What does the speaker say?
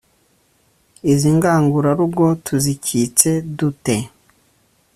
“Izi Ngangurarugo tuzikitse dute